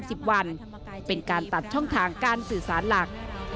สิบวันเป็นการตัดช่องทางการสื่อสารหลัก